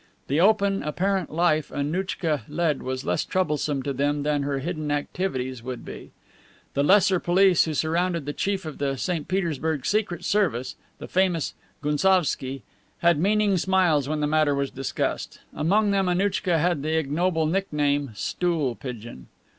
The open, apparent life Annouchka led was less troublesome to them than her hidden activities would be. The lesser police who surrounded the Chief of the St. Petersburg Secret Service, the famous Gounsovski, had meaning smiles when the matter was discussed. Among them Annouchka had the ignoble nickname, "Stool pigeon."